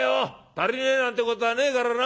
足りねえなんてことはねえからな。